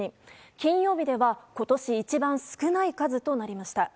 金曜日では今年一番少ない数となりました。